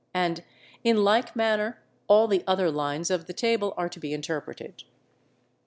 And in like manner all the other lines of the table are to be interpreted.